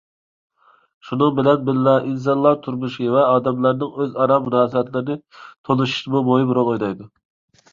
شۇنىڭ بىلەن بىللە ئىنسانلار تۇرمۇشى ۋە ئادەملەرنىڭ ئۆزئارا مۇناسىۋەتلىرىنى تونۇشتىمۇ مۇھىم رول ئوينايدۇ.